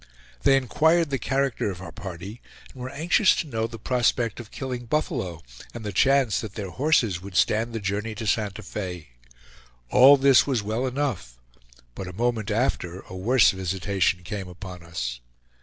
They inquired the character of our party, and were anxious to know the prospect of killing buffalo, and the chance that their horses would stand the journey to Santa Fe. All this was well enough, but a moment after a worse visitation came upon us.